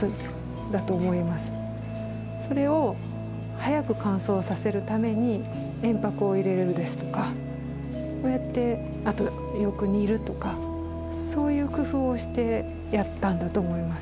それを早く乾燥させるために鉛白を入れるのですとかこうやってあとよく煮るとかそういう工夫をしてやったんだと思います。